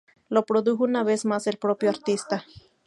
Lo produjo una vez más el propio artista.